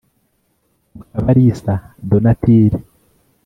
Mukabalisa Donatille